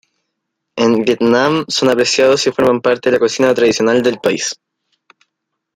En Vietnam son apreciados y forman parte de la cocina tradicional del país.